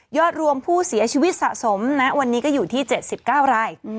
อดรวมผู้เสียชีวิตสะสมณวันนี้ก็อยู่ที่๗๙ราย